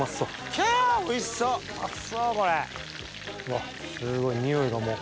わっすごい匂いがもう。